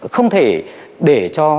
không thể để cho